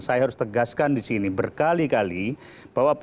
saya harus tegaskan di sini berkali kali bahwa